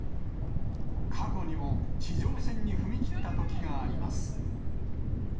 過去にも地上戦に踏み切ったときがあります。